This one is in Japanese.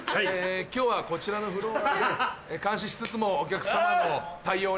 今日はこちらのフロアで監視しつつもお客様の対応お願いします。